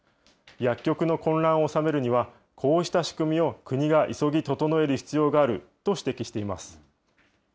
薬局の混乱を収めるには、こうした仕組みを国が急ぎ整える必要があると指摘しています。